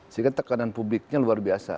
sehingga tekanan publiknya luar biasa